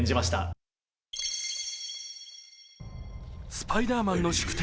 スパイダーマンの宿敵